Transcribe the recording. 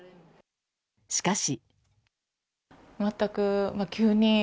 しかし。